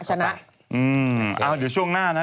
อ้าวเดี๋ยวช่วงหน้าน่ะ